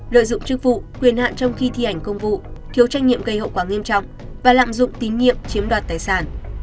lợi dụng chức vụ quyền hạn trong khi thi hành công vụ thiếu tranh nhiệm gây hậu quả nghiêm trọng và lạm dụng tín nhiệm chiếm đoạt tài sản